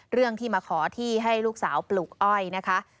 เรื่องที่มาขอที่ให้ลูกสาวปลูกอ้อยนะคะ